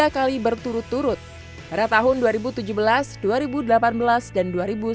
tiga kali berturut turut pada tahun dua ribu tujuh belas dua ribu delapan belas dan dua ribu sembilan belas